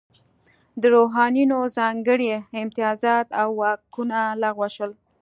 د روحانینو ځانګړي امتیازات او واکونه لغوه شول.